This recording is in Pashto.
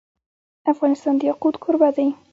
افغانستان د یاقوت کوربه دی.